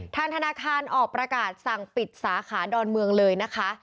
ทางธนาคารออกประกาศสั่งปิดสาขาดอนเมืองเลยนะคะ